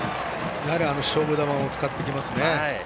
やはりあの勝負球を使ってきますね。